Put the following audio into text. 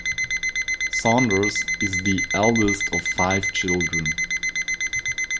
Saunders is the eldest of five children.